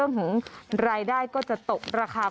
น้ำป่าเสดกิ่งไม้แม่ระมาศ